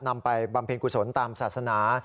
ไปบำเพ็ญกุศลตามศาสนา